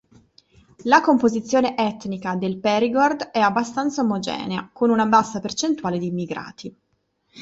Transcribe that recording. La composizione etnica del Périgord è abbastanza omogenea, con una bassa percentuale di immigrati.